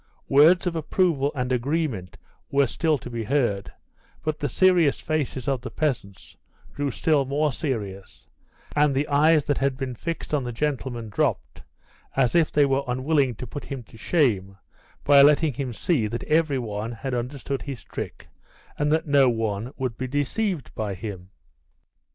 Words of approval and agreement were still to be heard, but the serious faces of the peasants grew still more serious, and the eyes that had been fixed on the gentleman dropped, as if they were unwilling to put him to shame by letting him see that every one had understood his trick, and that no one would be deceived by him.